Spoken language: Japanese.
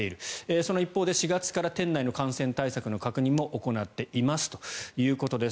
その一方で４月から店内の感染対策の確認も行っていますということです。